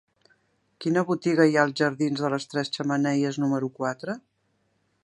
Quina botiga hi ha als jardins de les Tres Xemeneies número quatre?